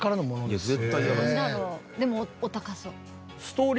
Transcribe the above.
でもお高そう。